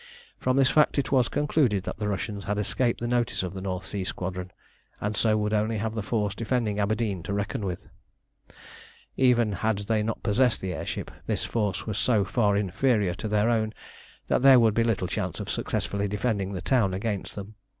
From this fact it was concluded that the Russians had escaped the notice of the North Sea Squadron, and so would only have the force defending Aberdeen to reckon with. Even had they not possessed the air ship, this force was so far inferior to their own that there would be little chance of successfully defending the town against them.